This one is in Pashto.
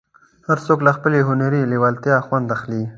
هر څوک له خپلې هنري لېوالتیا خوند اخلي.